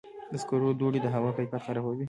د سکرو دوړې د هوا کیفیت خرابوي.